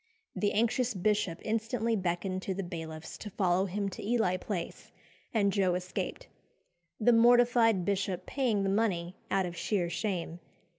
The anxious bishop instantly beckoned to the bailiffs to follow him to Ely Place, and Joe escaped; the mortified bishop paying the money out of sheer shame.